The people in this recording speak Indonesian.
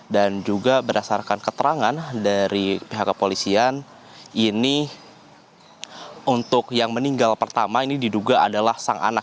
dan juga berdasarkan keterangan dari pihak kepolisian ini untuk yang meninggal pertama ini diduga adalah sang anak